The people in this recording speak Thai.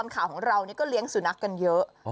แล้วก็ต้องบอกว่า